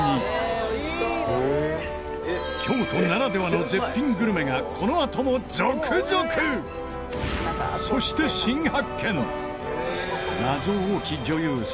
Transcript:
京都ならではの絶品グルメがこのあとも続々！が明らかに！